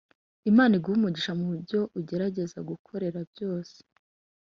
Imana iguhe umugisha mubyo ugerageza gukorera byose.